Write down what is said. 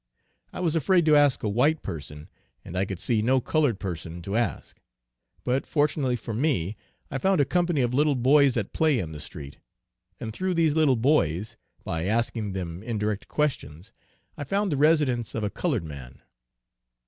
I was afraid to ask a white person, and I could see no colored person to ask. But fortunately for me I found a company of little boys at play in the street, and through these little boys, by asking them indirect questions, I found the residence of a colored man.